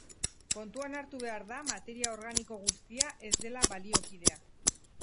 Kontuan hartu behar da materia organiko guztia ez dela baliokidea.